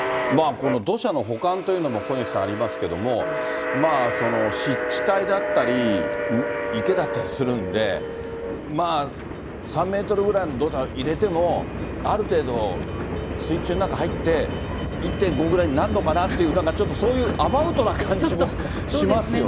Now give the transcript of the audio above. この土砂の保管というのも、小西さん、ありますけれども、湿地帯だったり、池だったりするんで、３メートルぐらいの土砂入れても、ある程度、水中の中入って、１．５ぐらいになるのかなとか、なんかちょっと、そういうアバウトな感じもしますよね。